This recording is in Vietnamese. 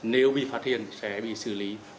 nếu bị phát hiện sẽ bị xử lý